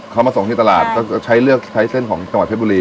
เขามาส่งที่ตลาดก็จะใช้เลือกใช้เส้นของจังหวัดเพชรบุรี